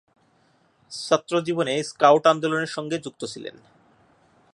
ছাত্রজীবনে scout আন্দোলনের সঙ্গে যুক্ত ছিলেন।